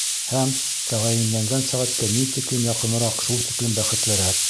Һәм тәғәйенләнгән сәғәткә ни тиклем яҡыныраҡ, шул тиклем бәхетлерәк.